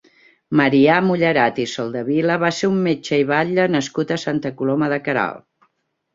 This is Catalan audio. Marià Mullerat i Soldevila va ser un metge i batlle nascut a Santa Coloma de Queralt.